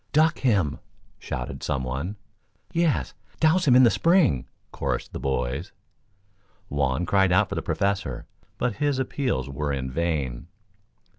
"Duck him!" shouted some one. "Yes! Douse him in the spring!" chorused the boys. Juan cried out for the Professor, but his appeals were in vain.